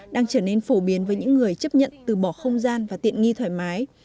đang trở nên phổ biến với những người chấp nhận từ bỏ không gian và tiện nghi thoải mái